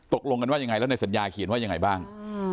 ตกลงกันว่ายังไงแล้วในสัญญาเขียนว่ายังไงบ้าง